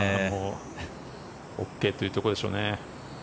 ＯＫというところでしょうね。